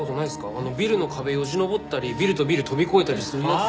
あのビルの壁よじ登ったりビルとビル跳び越えたりするやつですよ。